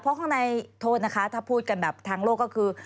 เพราะข้างในโทษนะคะถ้าพูดกันแบบทางโลกก็คือ